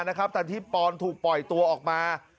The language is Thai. น่ะครับทางที่ปรอนถูกปล่อยตัวออกมา